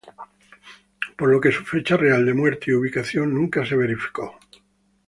Por lo que su fecha real de muerte y ubicación nunca fue verificada.